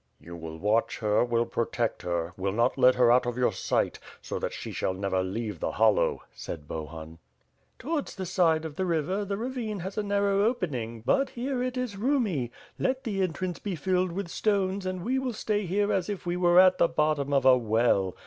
"You will watch her, will protect her, will not let her out of your sight, so that she shall never leave the Hollow!" said Bohun. "Towards the side of the river, the ravine has a narrow opening, but here it is roomy. Let the entrance be filled with stones and we will stay here as if we were at the bottom of a well.